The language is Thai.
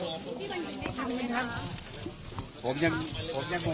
มันเป็นแบบที่สุดท้ายแต่มันเป็นแบบที่สุดท้าย